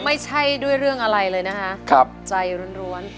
ไม่ใช่ด้วยเรื่องอะไรเลยนะคะใจล้วน